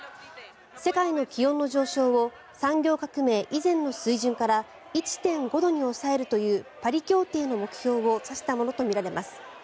世界の気温の上昇を産業革命以前の水準から１．５度に抑えるというパリ協定の目標を指したものとみられます。